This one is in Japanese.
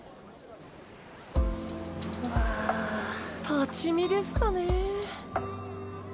立ち見ですかね。